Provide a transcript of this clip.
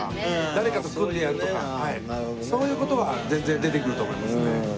誰かと組んでやるとかそういう事は全然出てくると思いますね。